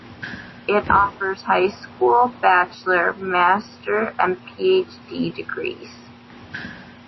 It offers high school, bachelor, master and Ph.D degrees.